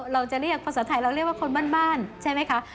เราจะเรียกภาษาไทยเราเรียกว่าคนบ้านใช่ไหมคะ